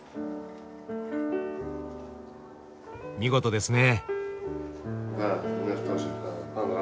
見事ですね。